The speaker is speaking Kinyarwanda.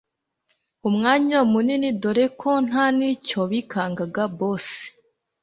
umwanya munini dore ko ntanicyo bikangaga boss